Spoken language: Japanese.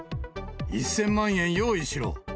１０００万円用意しろ。